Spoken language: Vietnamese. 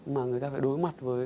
mà người ta phải đối mặt với